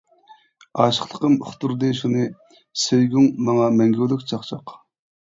ئاشىقلىقىم ئۇقتۇردى شۇنى، سۆيگۈڭ ماڭا مەڭگۈلۈك چاقچاق.